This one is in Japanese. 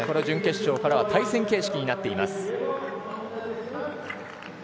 準決勝からは対戦形式になっています。